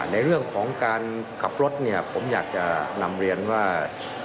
ในเรื่องของการขับรถเนี่ยผมอยากจะนำเรียนว่า